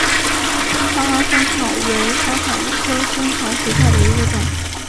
大花嵩草为莎草科嵩草属下的一个种。